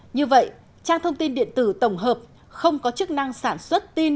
như vậy trang thông tin điện tử tổng hợp không có chức năng sản xuất tin